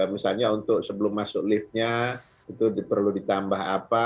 misalnya untuk sebelum masuk liftnya itu perlu ditambah apa